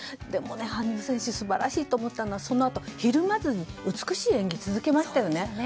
でもね、羽生選手は素晴らしいと思ったのはそのあとひるまずに美しい演技を続けましたよね。